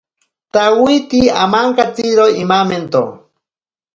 Tawiti amankatsiro imamento.